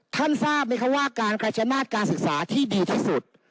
ทราบไหมคะว่าการกระจายอำนาจการศึกษาที่ดีที่สุด